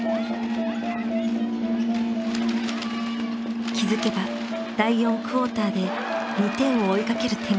気付けば第４クォーターで２点を追いかける展開に。